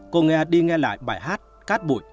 cô nghe đi nghe lại bài hát cát bụi